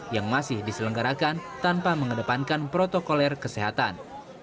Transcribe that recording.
yang masih diselenggarakan tanpa mengedepankan protokoler kesehatan